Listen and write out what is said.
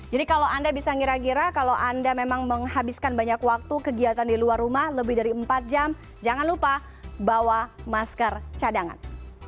jadi kalau anda bisa mengira gira kalau anda memang menghabiskan banyak waktu kegiatan di luar rumah lebih dari empat jam jangan lupa bawa masker cadangan